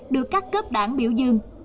được các cấp đảng biểu dương